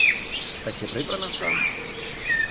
Та чи прибрано ж там?